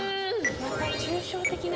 ・また抽象的な。